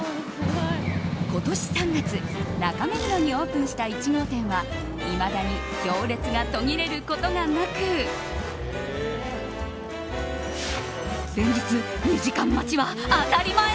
今年３月、中目黒にオープンした１号店はいまだに行列が途切れることがなく連日２時間待ちは当たり前。